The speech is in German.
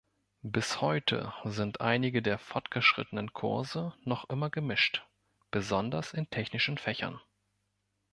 Bis heute sind einige der fortgeschrittenen Kurse noch immer gemischt, besonders in technischen Fächern.